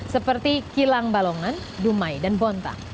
seperti kilang balongan dumai dan bontang